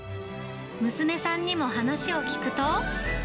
娘さんにも話を聞くと。